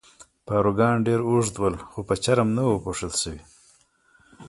پاروګان ډېر اوږد ول، خو په چرم کې نه وو پوښل شوي.